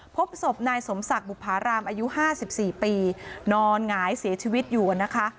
พบศพนายสมศักดิ์บุภารามอายุ๕๔ปีนอนหงายเสียชีวิตอยู่นะคะ